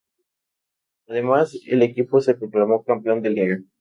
Además el equipo se proclamó campeón de Liga.